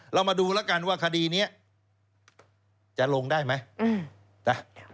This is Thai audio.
เรามาดูแล้วกันว่าคดีนี้จะลงได้ไหมนะ